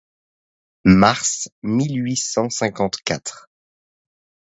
Mars mille huit cent cinquante-quatre.